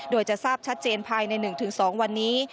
โดยจะทราบชัดเจนภายใน๑๒วันนี้